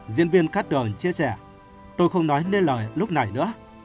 diễn viên carter chia sẻ tôi không nói nên lời lúc này nữa